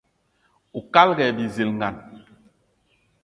Oukalga aye bizilgan.